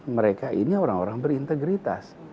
mereka ini orang orang berintegritas